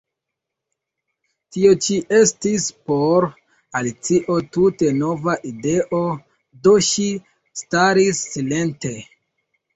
Tio ĉi estis por Alicio tute nova ideo; do ŝi staris silente.